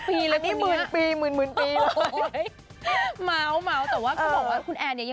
พันปีพันปีเลยคุณเนี่ย